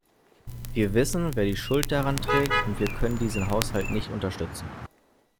Wir wissen, wer die Schuld daran trägt, und wir können diesen Haushalt nicht unterstützen.